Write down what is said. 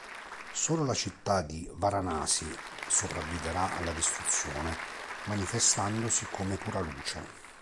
Solo la città di Varanasi sopravviverà alla distruzione, manifestandosi come pura luce.